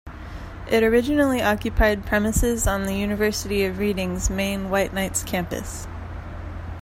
It originally occupied premises on the University of Reading's main Whiteknights Campus.